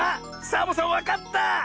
サボさんわかった！